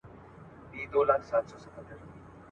نه له کلا، نه له ګودر، نه له کېږدیه راځي.